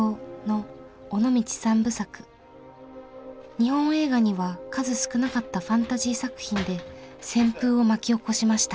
日本映画には数少なかったファンタジー作品で旋風を巻き起こしました。